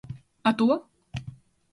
A túa?